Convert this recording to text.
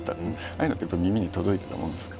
ああいうのってやっぱり耳に届いてたもんですか？